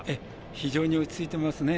非常に落ち着いていますね。